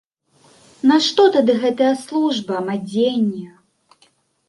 Нашто тады гэтая служба, мадзенне?